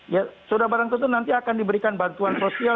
ya sudah barangkali nanti akan diberikan bantuan sosial